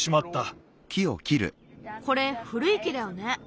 これふるい木だよね。